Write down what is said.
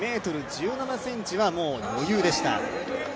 ２ｍ１７ｃｍは余裕でした。